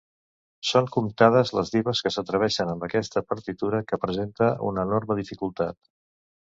Són comptades les dives que s'atreveixen amb aquesta partitura que presenta una enorme dificultat.